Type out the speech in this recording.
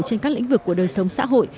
trên các lĩnh vực của đời sống xã hội